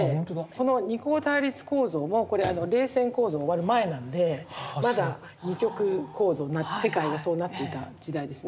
この二項対立構造もこれ冷戦構造終わる前なんでまだ二極構造世界がそうなっていた時代ですね。